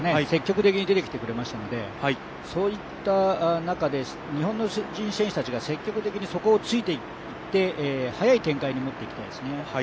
積極的に出てきてくれましたのでそういった中で日本人選手たちが積極的にそこをついていって、速い展開に持っていきたいですね。